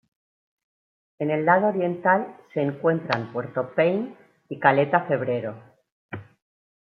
En el lado oriental, se encuentran puerto Payne y caleta Febrero.